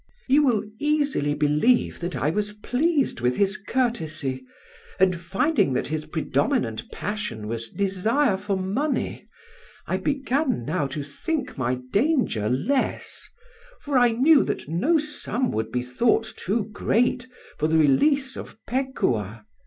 "You will easily believe that I was pleased with his courtesy, and finding that his predominant passion was desire for money, I began now to think my danger less, for I knew that no sum would be thought too great for the release of Pekuah.